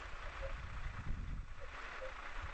কারণ সবগুলো বিষয় একই ক্ষেত্রে পাওয়া যেতে পারে।